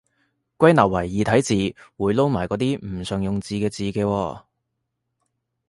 歸納為異體字，會撈埋嗰啲唔常用字嘅字嘅喎